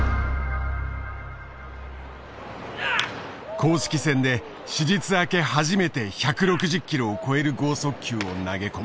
公式戦で手術明け初めて１６０キロを超える剛速球を投げ込む。